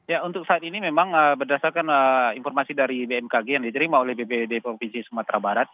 ya untuk saat ini memang berdasarkan informasi dari bmkg yang diterima oleh bpd provinsi sumatera barat